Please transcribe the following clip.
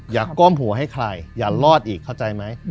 ก้มหัวให้ใครอย่ารอดอีกเข้าใจไหม